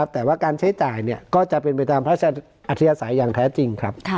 แต่ว่าการใช้จ่ายก็จะเป็นไปตามพระราชอัธยาศัยอย่างแท้จริงครับ